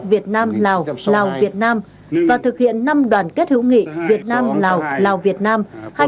việt nam lào lào việt nam và thực hiện năm đoàn kết hữu nghị việt nam lào lào việt nam hai nghìn hai mươi hai